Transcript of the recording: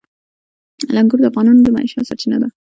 انګور د افغانانو د معیشت سرچینه ده.